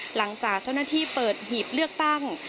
หลังจากเจ้าหน้าที่เปิดหีบเลือกตั้ง